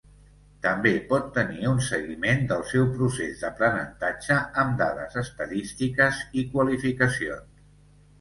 També pot tenir un seguiment del seu procés d’aprenentatge amb dades estadístiques i qualificacions.